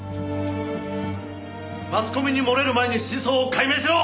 マスコミに漏れる前に真相を解明しろ！